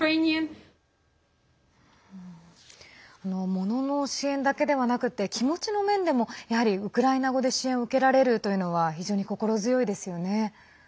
物の支援だけではなくて気持ちの面でもやはりウクライナ語で支援を受けられるというのは非常に心強いですよね。